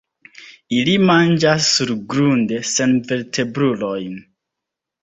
Ili manĝas surgrunde senvertebrulojn.